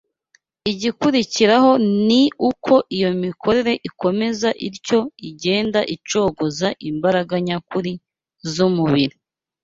igikurikiraho ni uko iyo mikorere ikomeza ityo igenda icogoza imbaraga nyakuri z’umubiri